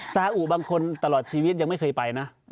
สาอุบางคนตลอดชีวิตยังไม่เคยไปนะ